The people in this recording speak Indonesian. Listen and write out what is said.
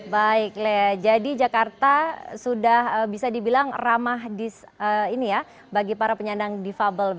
baik lea jadi jakarta sudah bisa dibilang ramah bagi para penyandang difabel